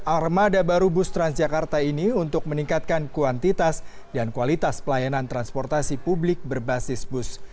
satu ratus enam belas armada baru bus transjakarta ini untuk meningkatkan kuantitas dan kualitas pelayanan transportasi publik berbasis bus